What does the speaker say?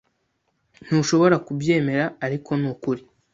Ntushobora kubyemera, ariko nukuri.